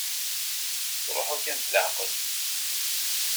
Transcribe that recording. Ttruḥu kan s leɛqel.